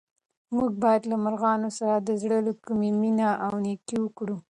موږ باید له مرغانو سره د زړه له کومې مینه او نېکي وکړو.